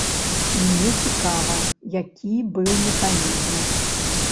Мне цікава, які быў механізм?